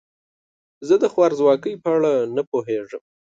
زه د خوارځواکۍ په اړه نه پوهیږم.